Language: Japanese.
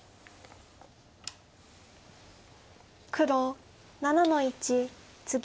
黒７の一ツギ。